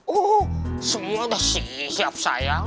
oh semua udah sih siap sayang